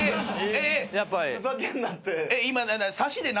ふざけんなって。